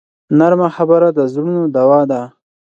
نرمه خبره د زړونو دوا ده